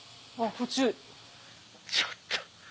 ちょっと。